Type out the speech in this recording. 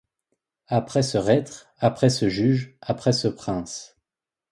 Après ce reître, après ce juge, après ce prince